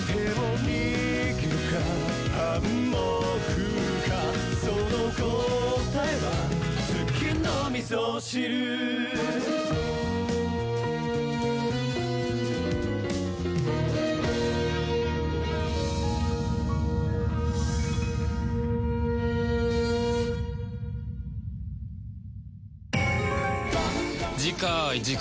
いじかい。